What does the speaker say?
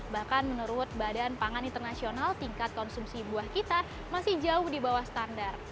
bahkan menurut badan pangan internasional tingkat konsumsi buah kita masih jauh di bawah standar